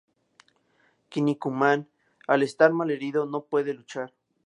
Kinnikuman, al estar malherido, no puede luchar.